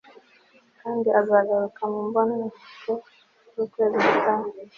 Kandi azagaruka mu mboneko zukwezi gutaha